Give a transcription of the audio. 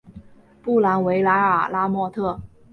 布兰维莱尔拉莫特。